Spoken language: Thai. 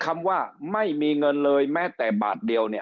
คำว่าไม่มีเงินเลยแม้แต่บาทเดียวเนี่ย